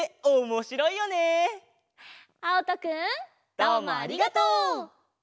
どうもありがとう！